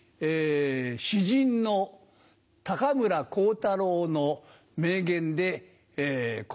詩人の高村光太郎の名言で小噺を。